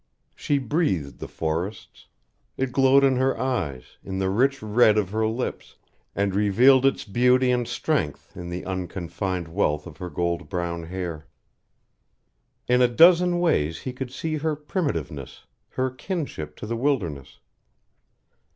She breathed the forests. It glowed in her eyes, in the rich red of her lips, and revealed its beauty and strength in the unconfined wealth of her gold brown hair. In a dozen ways he could see her primitiveness, her kinship to the wilderness.